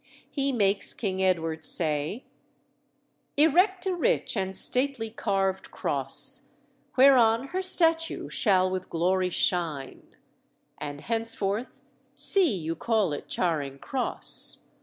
He makes King Edward say "Erect a rich and stately carved cross, Whereon her statue shall with glory shine; And henceforth see you call it Charing Cross.